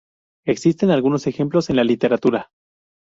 Existen algunos ejemplos en la literatura.